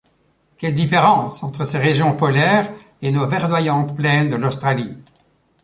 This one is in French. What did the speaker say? Quelle différence entre ces régions polaires et nos verdoyantes plaines de l’Australie!